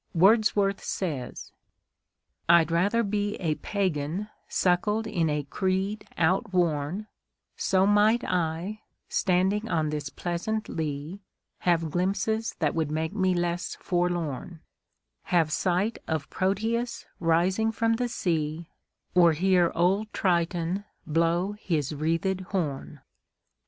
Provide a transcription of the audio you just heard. Wordsworth says: I'd rather be A pagan suckled in a creed outworn; So might I, standing on this pleasant lea, Have glimpses that would make me less forlorn; Have sight of Proteus rising from the sea, Or hear old Triton blow his wreathèd horn.